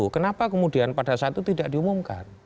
kenapa kemudian pada saat itu tidak diumumkan